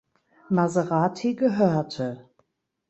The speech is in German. Maserati gehörte.